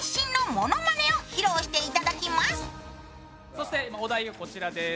そしてお題はこちらです。